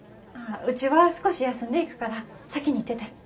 うちは少し休んでいくから先に行ってて。